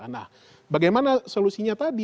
nah bagaimana solusinya tadi